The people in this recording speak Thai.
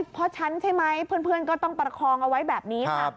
เพราะฉันใช่ไหมเพื่อนก็ต้องประคองเอาไว้แบบนี้ค่ะ